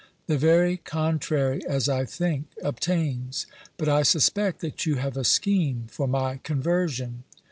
The very contrary, as I think, obtains. But I suspect that you have a scheme for my conversion.